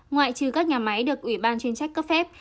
ngoại trừ các nhà máy được ủy ban chuyên trách cấp phép